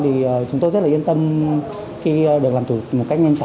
thì chúng tôi rất yên tâm khi được làm thủ một cách nhanh